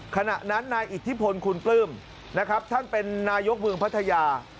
ขณะนั้นนายอิทธิพลคุณปลื้มนะครับท่านเป็นนายกเมืองพัทยา